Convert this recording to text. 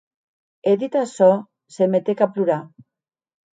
E dit açò, se metec a plorar.